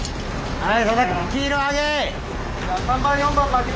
はい！